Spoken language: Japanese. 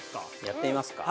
やってみますか。